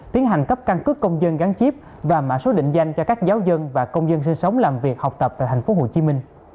tiến hành cấp căn cước công dân gắn chip và mã số định danh cho các giáo dân và công dân sinh sống làm việc học tập tại tp hcm